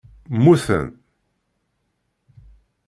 Muten